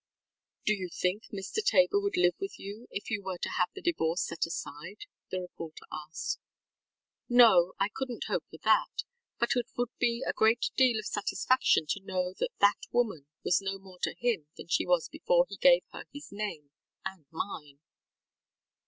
ŌĆØ ŌĆ£Do you think Mr. Tabor would live with you if you were to have the divorce set aside? ŌĆØ the reporter asked. ŌĆ£No, I couldnŌĆÖt hope for that. But it would be a great deal of satisfaction to know that that woman was no more to him than she was before he gave her his name and mine.